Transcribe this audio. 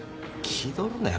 気取るなよ。